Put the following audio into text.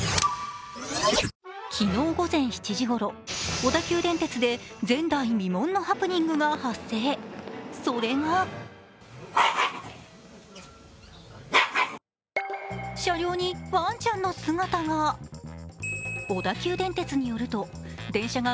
昨日午前７時ごろ、小田急電鉄で前代未聞のハプニングが発生それが車両にワンちゃんの姿が。